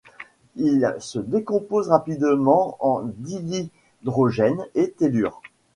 Il se décompose rapidement en dihydrogène et tellure.